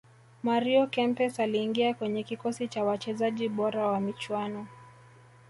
mario kempes aliingia kwenye kikosi cha wachezaji bora wa michuano